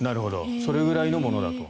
それぐらいのものだと。